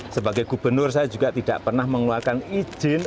sebagai gubernur saya juga tidak pernah mengeluarkan izin